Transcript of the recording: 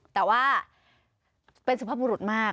แต่ว่าเป็นสุภาพบุรุษมาก